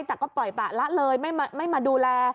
แต่ก็ปล่อยประละเลยไม่มาดูแล